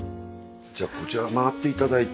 じゃあこちら回って頂いて。